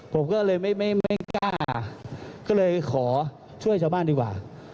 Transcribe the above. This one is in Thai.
ผมก็เลยไม่กล้าก็เลยขอช่วยชาวบ้านดีกว่า